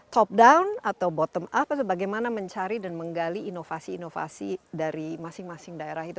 top down atau bottom up atau bagaimana mencari dan menggali inovasi inovasi dari masing masing daerah itu